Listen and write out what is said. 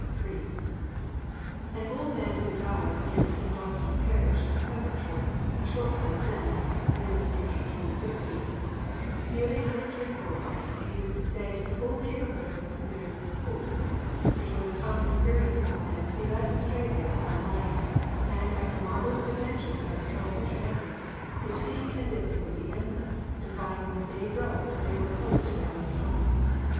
[Illustration: SHUÏ RHYS AND THE TYLWYTH TEG.] III. An old man who died in St. Dogmell's parish, Pembrokeshire, a short time since (viz., in 1860), nearly a hundred years old, used to say that that whole neighbourhood was considered 'fou.' It was a common experience for men to be led astray there all night, and after marvellous adventures and untellable trampings, which seemed as if they would be endless, to find when day broke that they were close to their own homes.